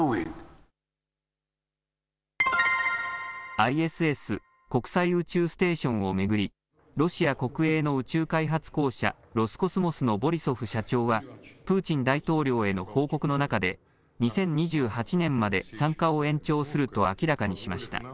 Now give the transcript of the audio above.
ＩＳＳ・国際宇宙ステーションを巡りロシア国営の宇宙開発公社、ロスコスモスのボリソフ社長はプーチン大統領への報告の中で２０２８年まで参加を延長すると明らかにしました。